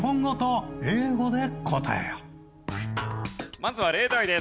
まずは例題です。